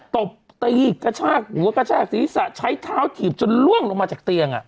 ตบตีกระชากหัวกระชากศีรษะใช้เท้าถีบจนล่วงลงมาจากเตียง